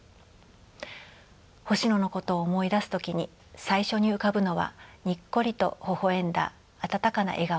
星野のことを思い出す時に最初に浮かぶのはにっこりとほほ笑んだ温かな笑顔です。